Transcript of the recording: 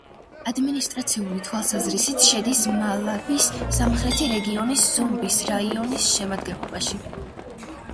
ადმინისტრაციული თვალსაზრისით შედის მალავის სამხრეთი რეგიონის ზომბის რაიონის შემადგენლობაში.